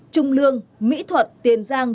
trung lương mỹ thuật tiền giang